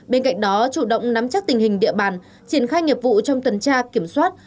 bên cạnh đó chủ động nắm chắc tình hình địa bàn triển khai nghiệp vụ trong tuần tra kiểm soát